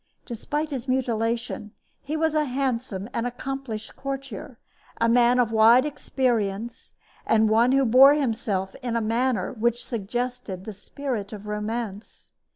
Despite his mutilation, he was a handsome and accomplished courtier, a man of wide experience, and one who bore himself in a manner which suggested the spirit of romance.